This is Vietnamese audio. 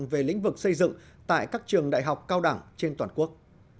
về lĩnh vực xây dựng tại các trường đại học cao đẳng trên toàn quốc